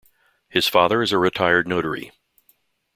His father is a retired notary.